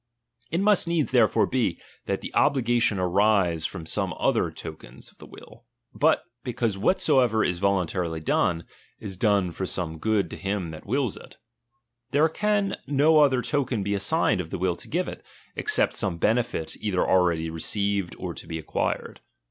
It must needs therefore be, that the obligation arise from some other tokens of the wiU. But, because whatsoever is voluntarily done, is done for some good to him that wills it ; there can no other token be assigned of the will to give it, except some benefit either already received, or to be acquired.